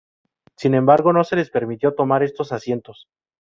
Sin embargo, no se les permitió tomar estos asientos.